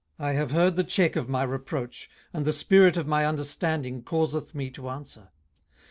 18:020:003 I have heard the check of my reproach, and the spirit of my understanding causeth me to answer.